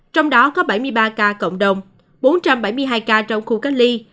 trong đó có bảy mươi ba ca cộng đồng bốn trăm bảy mươi hai ca trong khu cách ly